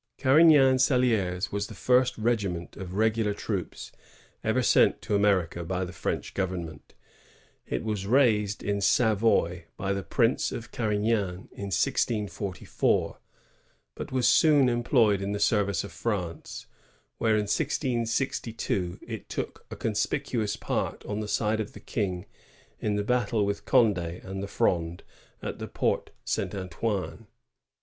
Carignan Salidres was the first regiment of r^[xdar troops ever sent to America by the French govern ment. It was raised in Sayoy by ihe Prince of Garignan in 1644, but was soon employed in the service of France; where, in 1662, it took a con spicuous part, on the side of the King, in the battle with Cond^ and the Fronde at the Porte St. Antoine.